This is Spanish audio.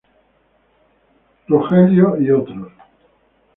Rogers "et al.